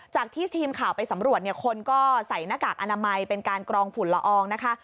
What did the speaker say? จากที่ทีมข่าวไปสำรวจเนี่ยคนก็ใส่หน้ากากอนามัยเป็นการกรองฝุ่นละอองนะคะ